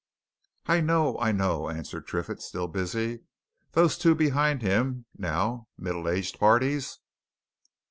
"I know I know," answered Triffitt, still busy. "Those two behind him, now middle aged parties?"